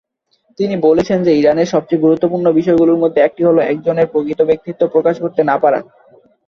তিনি বলেছেন যে ইরানের সবচেয়ে গুরুত্বপূর্ণ বিষয়গুলির মধ্যে একটি হল একজনের প্রকৃত ব্যক্তিত্ব প্রকাশ করতে না পারা।